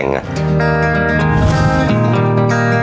ตรงนี้ครับ